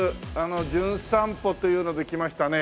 『じゅん散歩』というので来ましたね